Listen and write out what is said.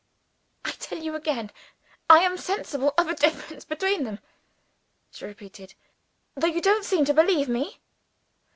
"I tell you again I am sensible of a difference between them," she repeated "though you don't seem to believe me."